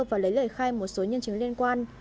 và lấy lời khai một số nhân chứng liên quan